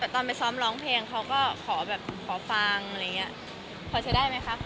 ตอนไปซ้อมร้องเพลงเขาก็ขอฟังพอใช้ได้ไหมคะคุณ